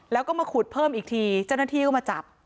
แล้วก็มาขุดเพิ่มอีกทีเจ้าหน้าที่ก็มาจับ